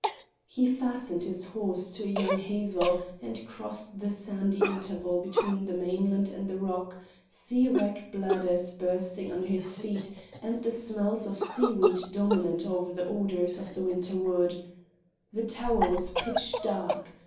He fastened his horse to a young hazel and crossed the sandy interval between the mainland and the rock, sea wrack bladders bursting under his feet, and the smells of seaweed dominant over the odours of the winter wood. The tower was pitch dark.